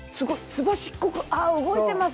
すばしっこくああ動いてますね。